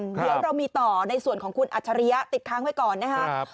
เดี๋ยวเรามีต่อในส่วนของคุณอัจฉริยะติดค้างไว้ก่อนนะครับ